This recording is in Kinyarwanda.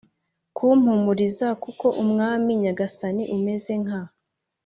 Kumpumuriza kuko mwami nyagasani umeze nka